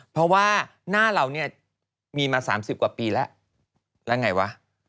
เพราะว่าหน้าเราเนี่ยมีมา๓๐กว่าปีแล้วแล้วไงวะ